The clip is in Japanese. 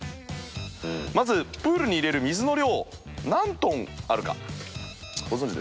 まずプールに入れる水の量何トンあるかご存じですか？